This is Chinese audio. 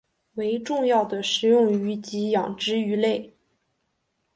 为重要的食用鱼及养殖鱼类。